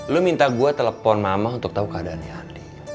lu minta gue telepon mama untuk tau keadaannya andi